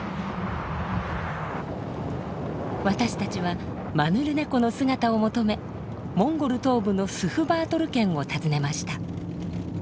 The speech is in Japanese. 私たちはマヌルネコの姿を求めモンゴル東部のスフバートル県を訪ねました。